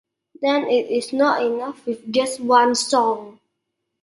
Then it is not enough with just one song.